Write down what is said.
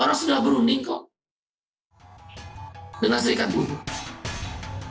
orang sudah berunding kok dengan serikat buruh